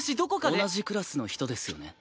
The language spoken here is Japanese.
同じクラスの人ですよね？